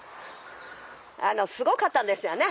すごかったんですよね